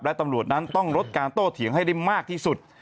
และตำรวจนั้นต้องลดการโต้เถียงให้ได้มากที่สุด